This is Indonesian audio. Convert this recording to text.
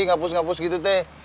ngapus ngapus gitu teh